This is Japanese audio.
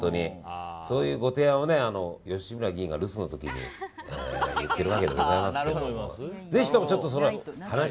そういうご提案を吉村議員が留守の時に言ってるわけでございますけども。